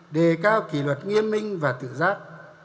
đề cao kỷ luật nghiêm minh và tự giác